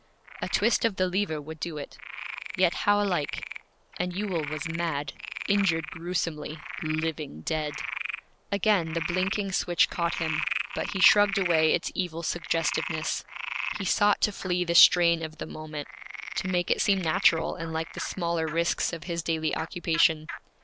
A twist of the lever would do it. Yet how alike And Ewell was mad, injured gruesomely, living dead. Again the blinking switch caught him, but he shrugged away its evil suggestiveness. He sought to flee the strain of the moment, to make it seem natural and like the smaller risks of his daily occupation.